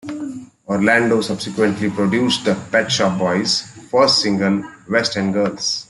Orlando subsequently produced the Pet Shop Boys' first single, "West End Girls".